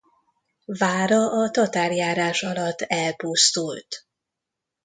Vára a tatárjárás alatt elpusztult.